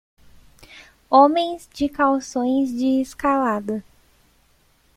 Homens de calções de escalada.